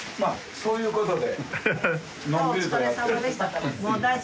そういうことで。